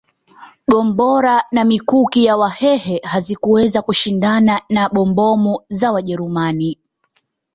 Gombora na mikuki ya Wahehe hazikuweza kushindana na bombomu za Wajerumani